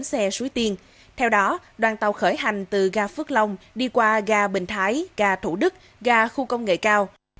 sau đó đoàn tàu khởi hành từ gà phước long đi qua gà bình thái gà thủ đức gà khu công nghệ cao